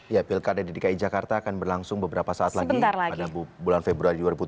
ya pilkada dki jakarta akan berlangsung beberapa saat lagi pada bulan februari dua ribu tujuh belas